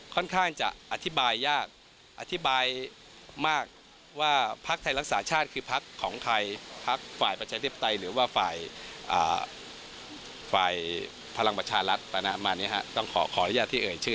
ขออนุญาตที่เอ่ยชื่นนะครับ